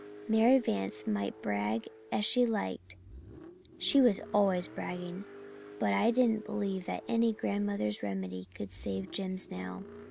Mary Vance might brag as she liked she was always bragging but I didn't believe any grandmother's remedy could save Jims now.